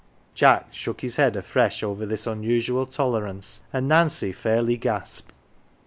Jack shook his head afresh over this unusual toler ance, and Nancy fairly gasped.